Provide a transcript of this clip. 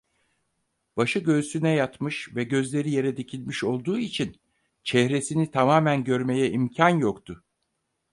Başı göğsüne yatmış ve gözleri yere dikilmiş olduğu için çehresini tamamen görmeye imkan yoktu.